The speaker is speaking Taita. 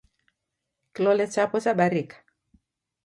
kilole chapo chabarika